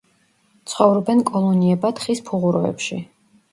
ცხოვრობენ კოლონიებად ხის ფუღუროებში.